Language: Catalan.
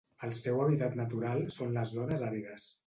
El seu hàbitat natural són les zones àrides.